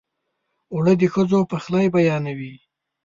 اوړه د ښځو پخلی بیانوي